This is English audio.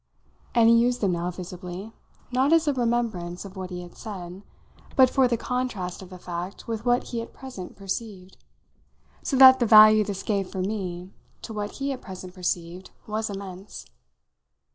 And he used them now visibly not as a remembrance of what he had said, but for the contrast of the fact with what he at present perceived; so that the value this gave for me to what he at present perceived was immense.